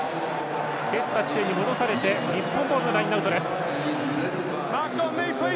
蹴った地点に戻されて日本ボールのラインアウトです。